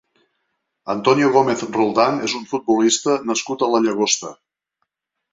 Antonio Gómez Roldán és un futbolista nascut a la Llagosta.